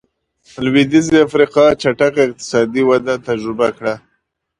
لوېدیځې افریقا چټکه اقتصادي وده تجربه کړه.